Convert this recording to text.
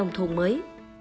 nông thôn mới